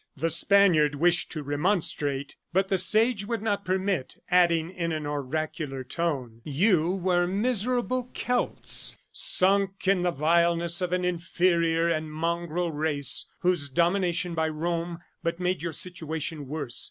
The Spaniard wished to remonstrate, but the Sage would not permit, adding in an oracular tone: "You were miserable Celts, sunk in the vileness of an inferior and mongrel race whose domination by Rome but made your situation worse.